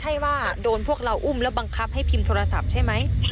ไหมว่าอว่าเราบันครับไว้ช่วยผิมโทรศัพท์ไหม